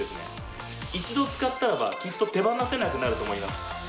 一度使ったらばきっと手放せなくなると思います。